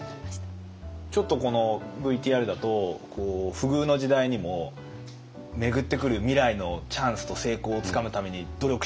ちょっとこのＶＴＲだと「不遇の時代にも巡ってくる未来のチャンスと成功をつかむために努力しろ！」